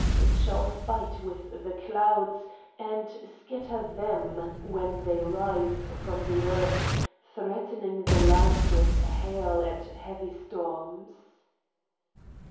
It shall fight with the clouds, and scatter them, when they rise from the earth, threatening the land with hail and heavy storms."